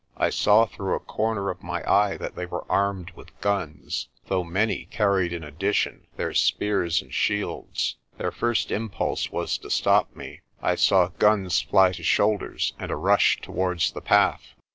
I saw through a corner of my eye that they were armed with guns, though many carried in addition their spears and shields. Their first impulse was to stop me. I saw guns fly to shoulders, and a rush towards the path.